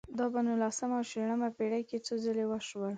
دا په نولسمه او شلمه پېړۍ کې څو ځله وشول.